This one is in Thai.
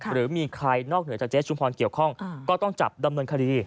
หรือมีใครนอกเหนือจากเจ๊ชุมพรเกี่ยวข้องก็ต้องจับดำเนินคดี